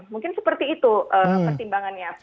mungkin seperti itu pertimbangannya